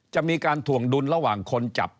จะมีการถ่วงดุลระหว่างคนจับ